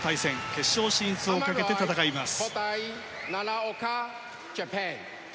決勝進出をかけて戦います。